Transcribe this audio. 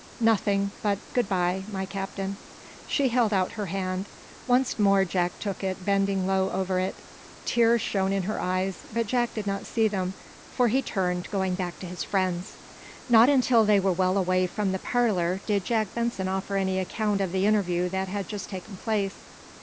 "Nothing, but good bye, my Captain." She held out her hand. Once more Jack took it, bending low over it. Tears shone in her eyes, but Jack did not see them, for he turned, going back to his friends. Not until they were well away from the parlor did Jack Benson offer any account of the interview that had just taken place.